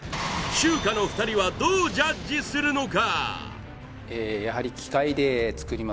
中華の２人はどうジャッジするのか？